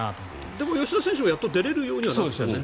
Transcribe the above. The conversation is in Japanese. でも吉田選手は、やっと出れるようにはなったんだね。